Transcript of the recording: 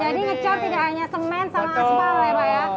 jadi ngecor tidak hanya semen sama asmal ya pak ya